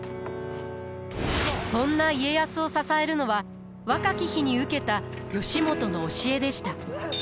そんな家康を支えるのは若き日に受けた義元の教えでした。